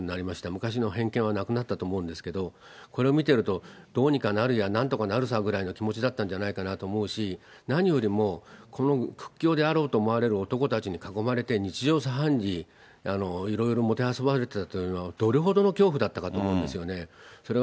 昔の偏見はなくなったと思うんですけど、これを見て、どうにかなるさ、なんとかなるさぐらいの気持ちだったんだと思うし、何よりもこの屈強って思われる男で、思われる男たちに囲まれて、日常茶飯事にいろいろもてあそばれたというのは、どれほどの恐怖だったかと思うんですよね。